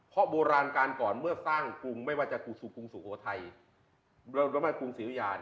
เพราะโบราณการก่อนเมื่อสร้างกรุงไม่ว่าจะกรุงสุโภไทย